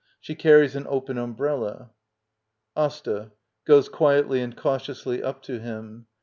She carries an open umbrella. AsTA. [Goes quietly and cautiously up to him.